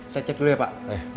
saya cek dulu ya pak